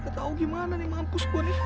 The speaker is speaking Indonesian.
ketau gimana nih mampus gue nih